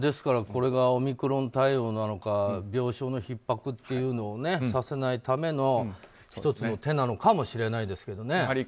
これがオミクロン対応なのか病床のひっ迫というのをさせないための１つの手なのかもしれないですけどね。